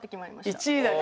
１位だけ？